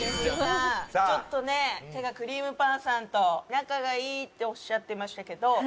ちょっとね手がクリームパンさんと仲がいいっておっしゃってましたけど。